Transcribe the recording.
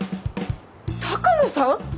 鷹野さん！？